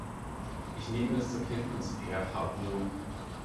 Ich nehme das zur Kenntnis, Herr Harbour.